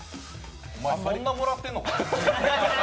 あ、そんなもらってんのかい。